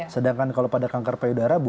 sedangkan kalau pada kanker payudara